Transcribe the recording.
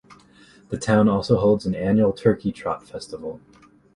The town also holds an annual Turkey Trot Festival.